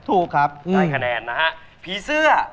ถูกครับได้คะแนนนะฮะผีเสื้อ